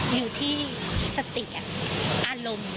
อยู่ที่สติอารมณ์